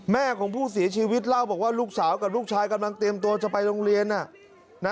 แม่ของผู้เสียชีวิตเล่าบอกว่าลูกสาวกับลูกชายกำลังเตรียมตัวจะไปโรงเรียน